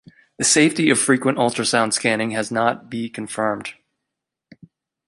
The safety of frequent ultrasound scanning has not be confirmed.